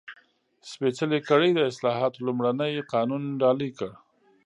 سپېڅلې کړۍ د اصلاحاتو لومړنی قانون ډالۍ کړ.